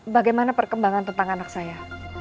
bagaimana perkembangan tentang anak saya